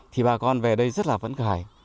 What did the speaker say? thì bà con về đây rất là vấn khởi